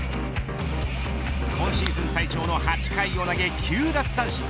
今シーズン最長の８回を投げ９奪三振。